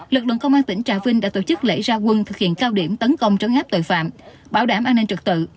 lực lượng công an tỉnh trà vinh đã tổ chức lễ ra quân thực hiện cao điểm tấn công trấn áp tội phạm bảo đảm an ninh trật tự